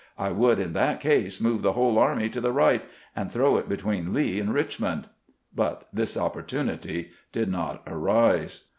I would in that case move the whole army to the right, and throw it between Lee and Richmond." But this opportunity did not arise.